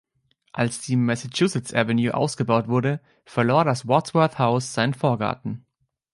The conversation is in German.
Als die Massachusetts Avenue ausgebaut wurde, verlor das Wadsworth House seinen Vorgarten.